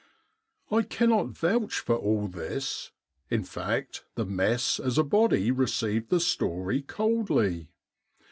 I cannot vouch for all this — in fact the mess as a body received the story coldly.